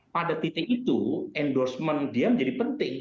pada titik itu endorsement dia menjadi penting